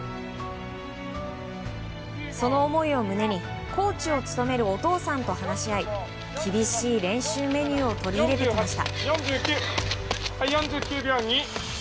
その思いを胸に、コーチを務めるお父さんと話し合い厳しい練習メニューを取り入れてきました。